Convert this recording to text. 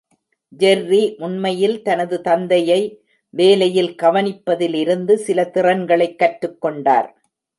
Jerry உண்மையில் தனது தந்தையை வேலையில் கவனிப்பதிலிருந்து சில திறன்களை கற்றுக்கொண்டார்.